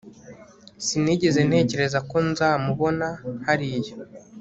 Sinigeze ntekereza ko nzamubona hariya